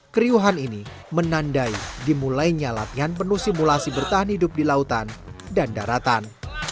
keriuhan ini menandai dimulainya latihan penuh simulasi bertahan hidup di lautan dan daratan